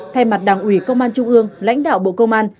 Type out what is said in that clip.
thay mặt đảng ủy công an trung ương lãnh đạo bộ công an